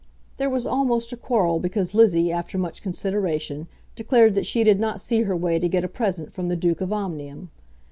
There was almost a quarrel because Lizzie, after much consideration, declared that she did not see her way to get a present from the Duke of Omnium.